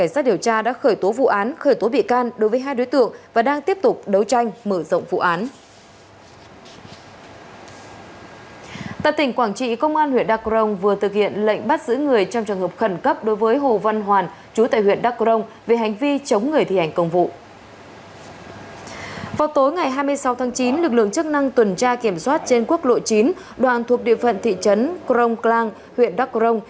sau tháng chín lực lượng chức năng tuần tra kiểm soát trên quốc lộ chín đoàn thuộc địa phận thị trấn krong klang huyện đắk krong